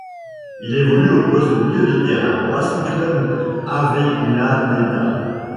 Il évolue au poste de milieu de terrain au Racing Club Avellaneda.